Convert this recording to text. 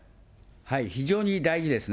非常に大事ですね。